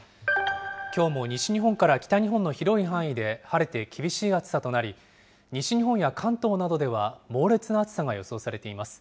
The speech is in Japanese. きょうも西日本から北日本の広い範囲で晴れて厳しい暑さとなり、西日本や関東などでは、猛烈な暑さが予想されています。